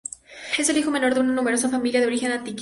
Es el hijo menor de una numerosa familia de origen antioqueño.